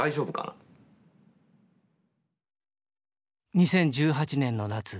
２０１８年の夏。